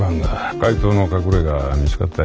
怪盗の隠れが見つかったよ。